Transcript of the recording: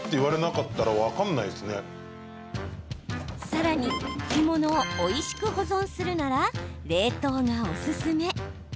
さらに、干物をおいしく保存するなら冷凍がおすすめ！